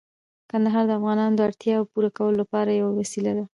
کندهار د افغانانو د اړتیاوو پوره کولو لپاره یوه وسیله ده.